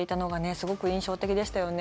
すごく印象的でしたよね。